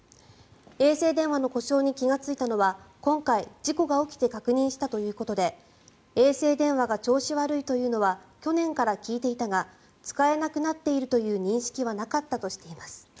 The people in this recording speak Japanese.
衛星電話の故障に気がついたのは今回、事故が起きて確認したということで衛星電話が調子悪いというのは去年から聞いていたが使えなくなっているという認識はなかったとしています。